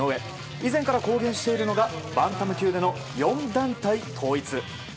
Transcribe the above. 以前から公言しているのがバンタム級での４団体統一。